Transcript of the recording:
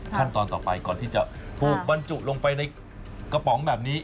ขั้นตอนต่อไปก่อนที่จะถูกบรรจุลงไปในกระป๋องแบบนี้